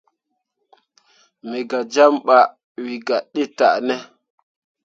Me gah jam ɓah wǝ gah ɗe tah ne.